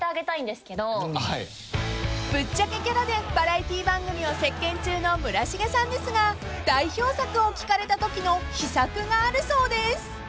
［ぶっちゃけキャラでバラエティー番組を席巻中の村重さんですが代表作を聞かれたときの秘策があるそうです］